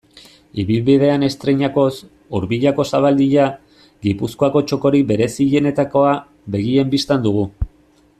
Ibilbidean estreinakoz, Urbiako zabaldia, Gipuzkoako txokorik berezienetakoa, begien bistan dugu.